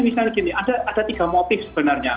jadi misalnya gini ada tiga motif sebenarnya